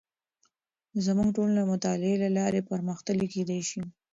زموږ ټولنه د مطالعې له لارې پرمختللې کیدې شي.